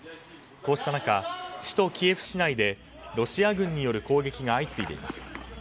こうした中、首都キエフ市内でロシア軍による攻撃が相次いでいます。